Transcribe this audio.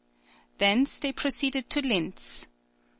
Thence they proceeded to Linz.